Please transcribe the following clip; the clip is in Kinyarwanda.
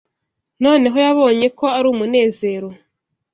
noneho yabonye ko ari umunezero